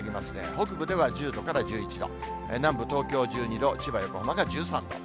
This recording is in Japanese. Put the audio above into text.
北部では１０度から１１度、南部、東京１２度、千葉、横浜が１３度。